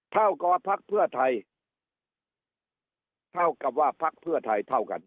เท่ากับพักเพื่อไทยเท่ากับว่าพักเพื่อไทยเท่ากัน